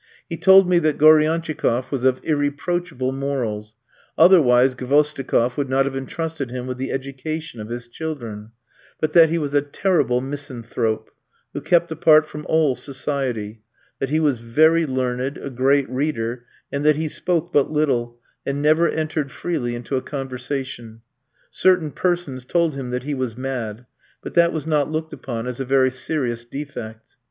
He told me that Goriantchikoff was of irreproachable morals, otherwise Gvosdikof would not have entrusted him with the education of his children; but that he was a terrible misanthrope, who kept apart from all society; that he was very learned, a great reader, and that he spoke but little, and never entered freely into a conversation. Certain persons told him that he was mad; but that was not looked upon as a very serious defect.